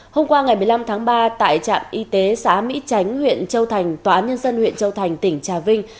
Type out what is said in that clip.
hôm qua ngày một mươi năm tháng ba tại trạm y tế xã mỹ tránh huyện châu thành tòa án nhân dân huyện châu thành tỉnh trà vinh